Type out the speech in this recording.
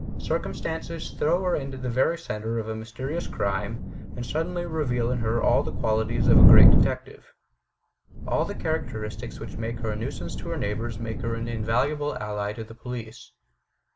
Circumstances throw her into the very centre of a mysterious crime, and suddenly reveal in her all the qualities of a great detective. All the characteristics which made her a nuisance to her neighbours make her an invaluable ally to the police.